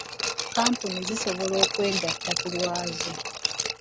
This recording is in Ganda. Kkampuni zisobola okwegatta ku lwazo.